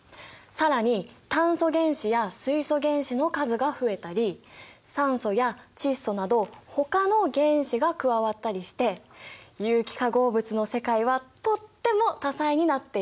更に炭素原子や水素原子の数が増えたり酸素や窒素などほかの原子が加わったりして有機化合物の世界はとっても多彩になっているんだ。